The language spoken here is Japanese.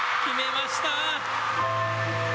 決めました！